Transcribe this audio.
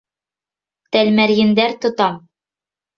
Тәлмәрйендәр тотам!